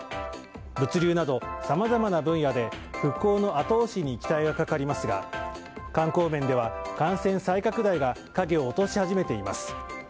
物流などさまざまな分野で復興のあと押しに期待がかかりますが観光面では感染再拡大が影を落とし始めています。